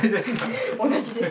同じです。